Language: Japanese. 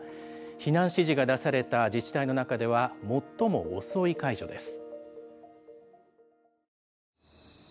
避難指示が出された自治体の中では最も遅い解除です。